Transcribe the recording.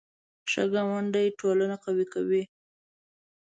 ښه ګاونډي ټولنه قوي کوي